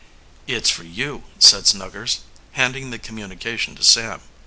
"It's for you," said Snuggers, handing the communication to Sam.